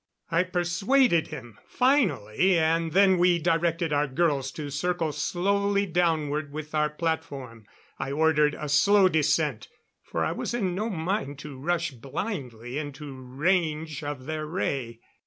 I persuaded him finally, and then we directed our girls to circle slowly downward with our platform. I ordered a slow descent, for I was in no mind to rush blindly into range of their ray.